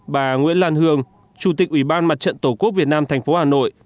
bà nguyễn lan hương chủ tịch ủy ban mặt trận tổ quốc việt nam tp hà nội